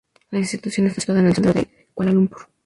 La institución está situada en el centro de Kuala Lumpur.